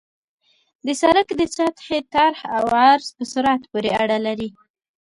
د سرک د سطحې طرح او عرض په سرعت پورې اړه لري